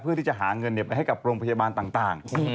เพื่อที่จะหาเงินไปให้กับโรงพยาบาลต่าง